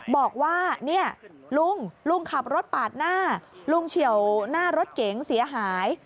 บอกว่าเนี่ยลุงลุงขับรถปาดหน้าลุงเฉียวหน้ารถเก๋งเสียหาย